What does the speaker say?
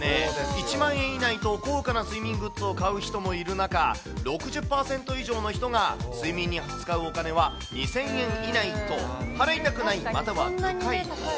１万円以内と高価な睡眠グッズを買う人もいる中、６０％以上の人が、睡眠に使うお金は２０００円以内と、払いたくない、または無回答。